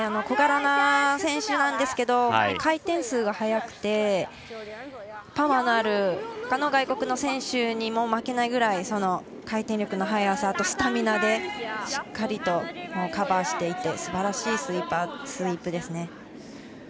小柄な選手なんですけども回転数が速くてパワーのあるほかの外国の選手にも負けないぐらい回転力の速さと、スタミナでしっかりとカバーしていてすばらしいスイープですね。